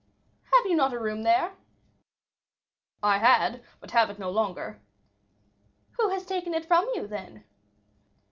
"Have you not a room there?" "I had, but have it no longer." "Who has taken it from you, then?"